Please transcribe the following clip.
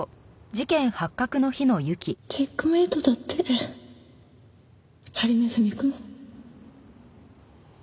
チェックメイトだってハリネズミ君。